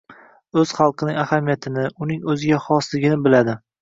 O‘z xalqining ahamiyatini, uning o‘ziga xosligini biladi.